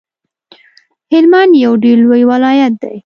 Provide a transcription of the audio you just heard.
هلمند یو ډیر لوی ولایت دی